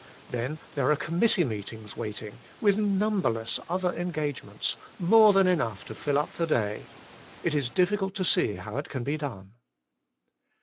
Then there are committee meetings waiting, with numberless other engagements, more than enough to fill up the day. It is difficult to see how it can be done."